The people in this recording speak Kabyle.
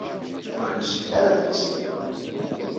Ur nessin ara adlis-nni.